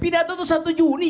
pidato itu satu juni